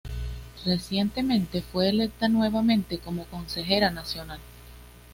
Recientemente fue electa nuevamente como Consejera Nacional.